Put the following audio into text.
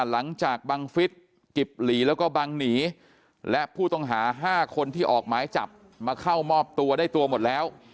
หลังจากบังฟิศกิบหลีแล้วก็บังหนีและผู้ต้องหา๕คนที่ออกหมายจับมาเข้ามอบตัวได้ตัวหมดแล้ว